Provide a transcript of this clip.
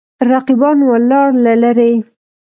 رقیبان ولاړ له لرې.